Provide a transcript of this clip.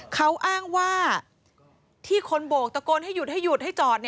เขาอ้างว่าที่คนโบกตะโกนให้หยุดให้หยุดให้จอด